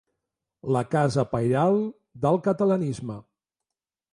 La casa pairal del catalanisme.